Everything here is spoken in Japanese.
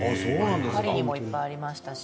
パリにもいっぱいありましたし。